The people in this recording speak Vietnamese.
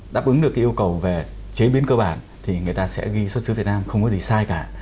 đáp ứng được cái yêu cầu về chế biến cơ bản thì người ta sẽ ghi xuất xứ việt nam không có gì sai cả